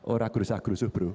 ora gurusah gurusuh bro